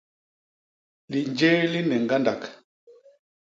Linjéé li nne ñgandak.